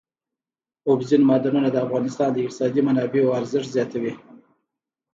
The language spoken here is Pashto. اوبزین معدنونه د افغانستان د اقتصادي منابعو ارزښت زیاتوي.